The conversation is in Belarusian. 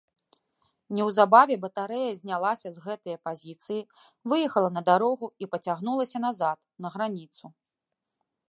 Неўзабаве батарэя знялася з гэтае пазіцыі, выехала на дарогу і пацягнулася назад, на граніцу.